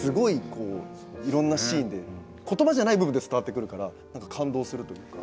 こういろんなシーンで言葉じゃない部分で伝わってくるから何か感動するというか。